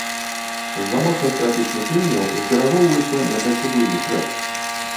З-за моцных трапічных ліўняў з берагоў выйшла некалькі буйных рэк.